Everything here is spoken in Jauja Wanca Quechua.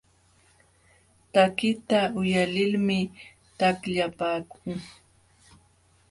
Takiqta uyalilmi taqllapaakun.